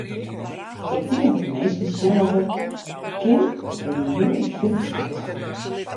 Ik tink dat ik minsken sjen litte kin hoe moai Frysk is.